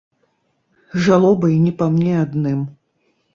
Жалобай не па мне адным.